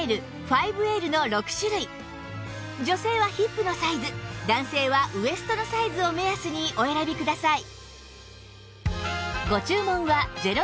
女性はヒップのサイズ男性はウエストのサイズを目安にお選びください